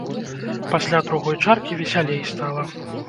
Пасля другой чаркі весялей стала.